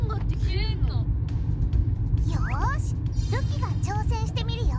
よしるきが挑戦してみるよ！